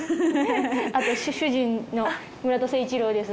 あと主人の村田誠一郎です。